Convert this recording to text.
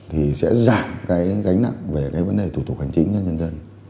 thì sẽ giảm cái gánh nặng về cái vấn đề thủ tục hành chính cho nhân dân